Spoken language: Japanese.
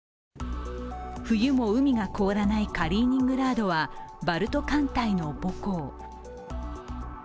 冬も海が凍らないカリーニングラードはバルト艦隊の母港。